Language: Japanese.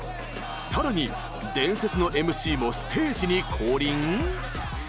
更に伝説のＭＣもステージに降臨！？